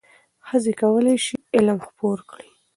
ښځې کولای شي علم خپور کړي.